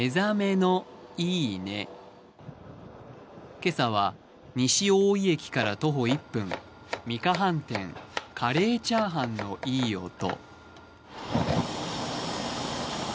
今朝は西大井駅から徒歩１分、美華飯店、カレーチャーハンのいい音。